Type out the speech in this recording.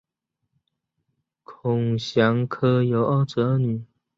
孔祥柯有二子二女